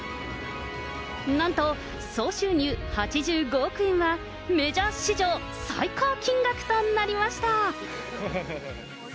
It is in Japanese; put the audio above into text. なんと総収入８５億円は、メジャー史上最高金額となりました。